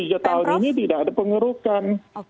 nah ini tujuh tahun ini tidak ada pengerukan